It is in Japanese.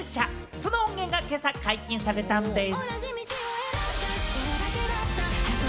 その音源が今朝、解禁されたんでぃす。